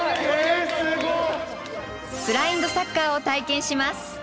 ブラインドサッカーを体験します。